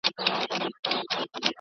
د ټولنیزو کړنو بېدلیله رد مه کوه.